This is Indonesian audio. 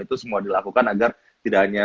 itu semua dilakukan agar tidak hanya